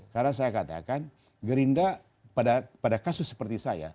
karena saya katakan gerindra pada kasus seperti saya